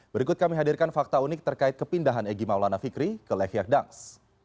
berikut kami hadirkan fakta unik terkait kepindahan egy maulana fikri ke lechier danx